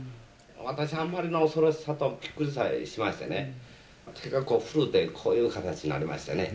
私、あんまりの恐ろしさでびっくりしましてね、手がこう震えて、こういう形になりましたね。